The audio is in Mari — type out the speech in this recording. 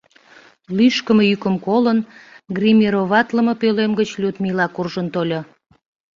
Лӱшкымӧ йӱкым колын, гримироватлыме пӧлем гыч Людмила куржын тольо.